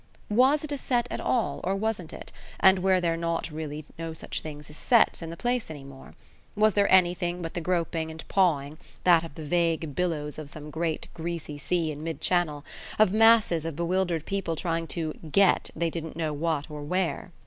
WAS it a set at all, or wasn't it, and were there not really no such things as sets in the place any more? was there anything but the groping and pawing, that of the vague billows of some great greasy sea in mid Channel, of masses of bewildered people trying to "get" they didn't know what or where?